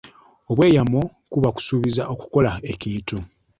Obweyamo kuba kusuubiza okukola ekintu.